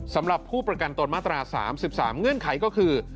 สำหรับผู้ประกันตนมาตรา๓๓เงื่อนไขก็คือ